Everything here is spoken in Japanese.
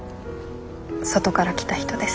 外から来た人です。